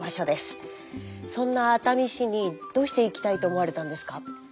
そんな熱海市にどうして行きたいと思われたんですか？